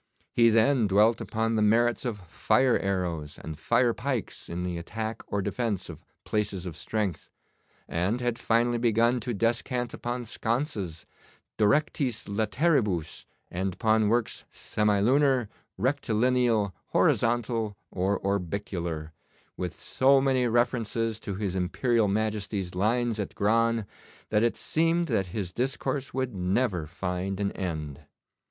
He then dwelt upon the merits of fire arrows and fire pikes in the attack or defence of places of strength, and had finally begun to descant upon sconces, 'directis lateribus,' and upon works, semilunar, rectilineal, horizontal, or orbicular, with so many references to his Imperial Majesty's lines at Gran, that it seemed that his discourse would never find an end.